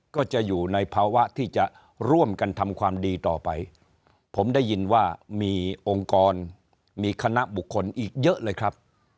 ก็จะอยู่ในภาวะที่จะร่วมกันทำความดีต่อไปผมได้ยินว่ามีองค์กรมีคณะบุคคลอีกเยอะเลยครับ